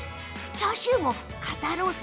チャーシューも肩ロース